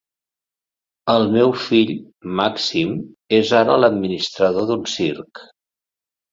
El seu fill, Màxim, és ara l'administrador d'un circ.